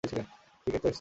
ঠিক তো, স্কট?